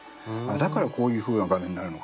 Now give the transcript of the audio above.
だからこういうふうな場面になるのかなと。